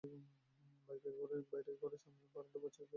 বাইরের ঘরের সামনের বারান্দায় পৌঁছিয়ে দেখে ঘরে তখনো আলো জ্বলছে।